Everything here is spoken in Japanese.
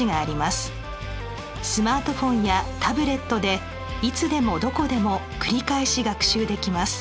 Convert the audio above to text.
スマートフォンやタブレットでいつでもどこでも繰り返し学習できます。